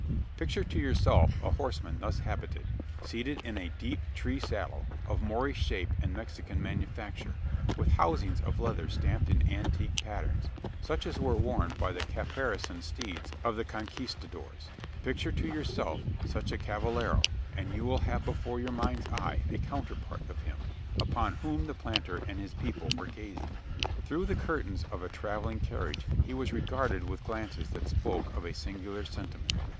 Picture to yourself a horseman thus habited; seated in a deep tree saddle, of Moorish shape and Mexican manufacture, with housings of leather stamped in antique patterns, such as were worn by the caparisoned steeds of the Conquistadores; picture to yourself such a cavallero, and you will have before your mind's eye a counterpart of him, upon whom the planter and his people were gazing. Through the curtains of the travelling carriage he was regarded with glances that spoke of a singular sentiment.